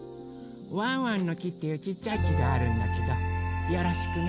ワンワンの木っていうちっちゃい木があるんだけどよろしくね。